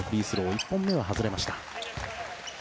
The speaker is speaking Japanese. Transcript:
１本目は外れました。